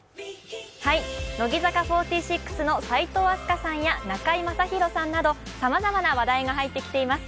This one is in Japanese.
乃木坂４６の齋藤飛鳥さんや中居正広さんなど、さまざまな話題が入ってきています。